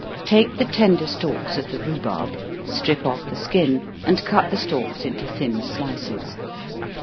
_ Take the tender stalks of the rhubarb, strip off the skin, and cut the stalks into thin slices.